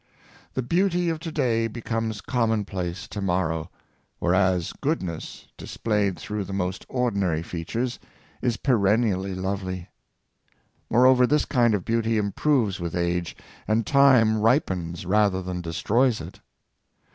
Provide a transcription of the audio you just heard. The beauty of to day becomes commonplace to morrow; whereas goodness, displayed through the most ordinary features, is peren nially lovely. Moreover this kind of beauty improves with age, and time ripens rather than destroys it.